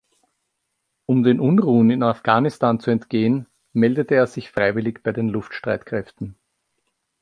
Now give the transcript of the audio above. Um den Unruhen in Afghanistan zu entgehen, meldete er sich freiwillig bei den Luftstreitkräften.